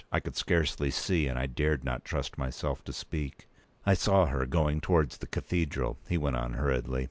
I could scarcely see, and dared not trust myself to speak. "I saw her going towards the cathedral," he went on, hurriedly.